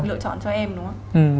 được lựa chọn cho em đúng không